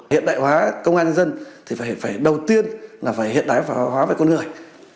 hiện đại hóa công an nhân dân thì phải đầu tiên là phải hiện đại hóa với con người